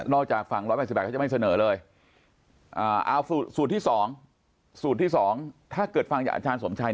จากฝั่ง๑๘๘เขาจะไม่เสนอเลยเอาสูตรที่๒สูตรที่๒ถ้าเกิดฟังจากอาจารย์สมชัย